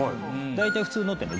大体普通のってね